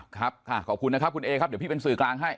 ครับค่ะขอบคุณนะครับคุณเอครับเดี๋ยวพี่เป็นสื่อกลางให้